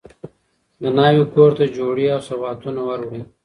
د ناوي کور ته جوړې او سوغاتونه وروړي